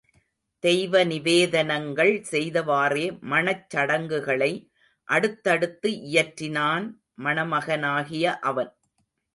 தெய்வ நிவேதனங்கள் செய்தவாறே மணச் சடங்குகளை அடுத்தடுத்து இயற்றினான் மணமகனாகிய அவன்.